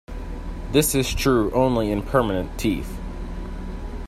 This is true only in permanent teeth.